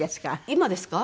今ですか？